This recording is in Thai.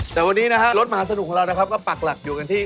แต่วันนี้นะคะลดมหาสนุกของเราก็ปรักหลักอยู่กันที่